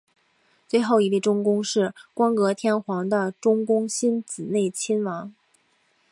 最后一位中宫是光格天皇的中宫欣子内亲王。